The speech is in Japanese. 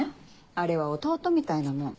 あれは弟みたいなもん。